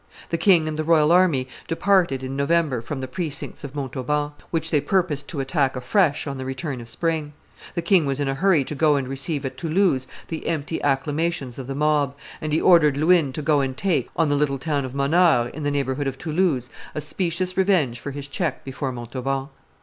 The king and the royal army departed in November from the precincts of Montauban, which they purposed to attack afresh on the return of spring: the king was in a hurry to go and receive at Toulouse the empty acclamations of the mob, and he ordered Luynes to go and take, on the little town of Monheur, in the neighborhood of Toulouse, a specious revenge for his check before Montauban.